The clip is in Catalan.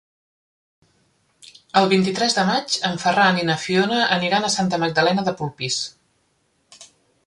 El vint-i-tres de maig en Ferran i na Fiona aniran a Santa Magdalena de Polpís.